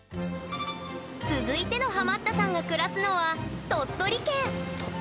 続いてのハマったさんが暮らすのは鳥取県！